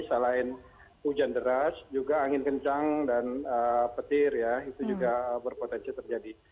selain hujan deras juga angin kencang dan petir ya itu juga berpotensi terjadi